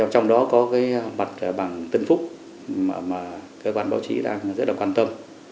trong đó có mặt bằng tân phúc mà cơ quan báo chí đang rất quan tâm